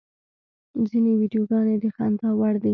ځینې ویډیوګانې د خندا وړ دي.